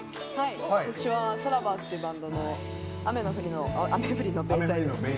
私はＴｈｅＳＡＬＯＶＥＲＳというバンドの「雨降りのベイサイド」。